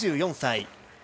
２４歳。